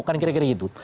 kan kira kira gitu